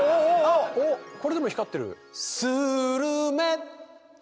これでも光ってる。